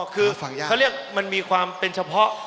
คือเขาเรียกมันมีความเป็นเฉพาะ